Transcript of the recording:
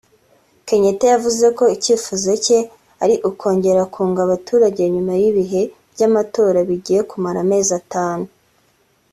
Kenyatta yavuze ko icyifuzo cye ari ukongera kunga abaturage nyuma y’ibihe by’amatora bigiye kumara amezi atanu